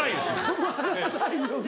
たまらないよな。